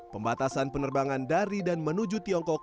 pembatasan penerbangan dari dan menuju tiongkok